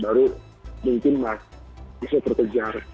baru mungkin bisa terkejar